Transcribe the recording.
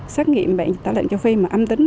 xác nghiệm bệnh tả lợn cho phi mà âm tính